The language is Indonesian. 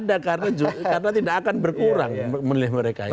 tidak ada karena tidak akan berkurang menulis mereka itu